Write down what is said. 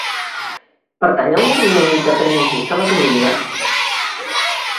Pertany al moviment independentista la Dominga?